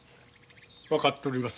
分かっとります。